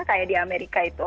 kayak di amerika itu